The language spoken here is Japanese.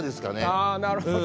あぁなるほど。